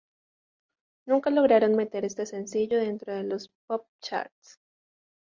Nunca lograron meter este sencillo dentro de los Pop Charts.